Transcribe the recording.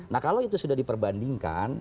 nah kalau itu sudah diperbandingkan